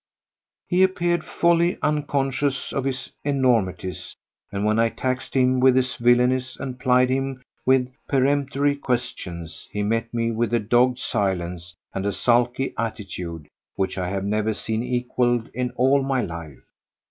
He appeared wholly unconscious of his enormities, and when I taxed him with his villainies and plied him with peremptory questions he met me with a dogged silence and a sulky attitude which I have never seen equalled in all my life.